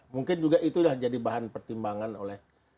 mungkin juga itulah jadi bahan pertimbangan oleh